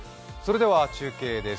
中継です。